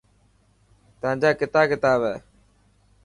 تانجا ڪتا ڪتاب هي.